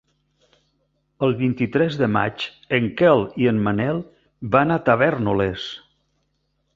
El vint-i-tres de maig en Quel i en Manel van a Tavèrnoles.